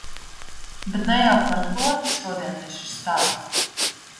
Bet ne jau par to šodien ir šis stāsts.